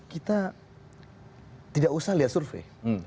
kita tidak usah lihat survei